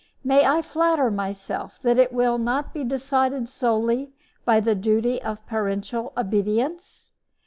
May I flatter myself that it will not be decided solely by the duty of parental obedience?